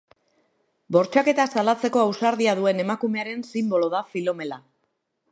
Bortxaketa salatzeko ausardia duen emakumearen sinbolo da Filomela.